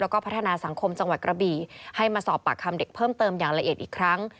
แล้วก็พัฒนาสังคมจังหวัดกระบี่ให้มาสอบปากคำเด็กเพิ่มเติมอย่างละเอียดอีกครั้ง